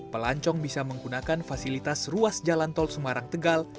pelancong bisa menggunakan fasilitas ruas jalan tol semarang tegal